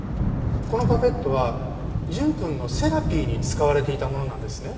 このパペットは純くんのセラピーに使われていたものなんですね。